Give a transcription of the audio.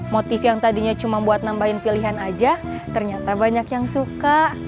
motif yang tadinya cuma buat nambahin pilihan aja ternyata banyak yang suka